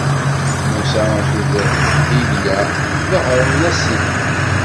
Musa akked Ilya ḍehren-asen-d.